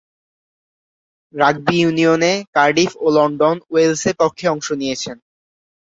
Rugby ইউনিয়নে Cardiff ও London ওয়েলসে পক্ষে অংশ নিয়েছেন।